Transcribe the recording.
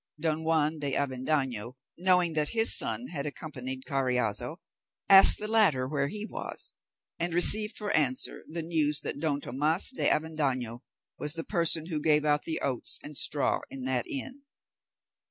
Don Juan de Avendaño, knowing that his son had accompanied Carriazo, asked the latter where he was, and received for answer the news that Don Tomas de Avendaño was the person who gave out the oats and straw in that inn.